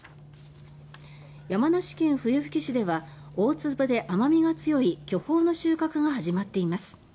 山梨県笛吹市では大粒で甘味が強い巨峰の収穫が始まっています。